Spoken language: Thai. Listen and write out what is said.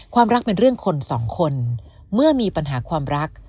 ความรักเป็นเรื่องคนสองคนเมื่อมีปัญหาความรัก